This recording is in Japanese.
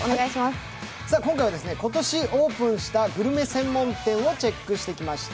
今回は今年オープンしたグルメ専門店をチェックしてきました。